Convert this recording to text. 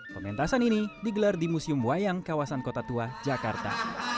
pementasan ini digelar di museum wayang kawasan kota tua jakarta